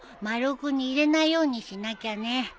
丸尾君に入れないようにしなきゃね。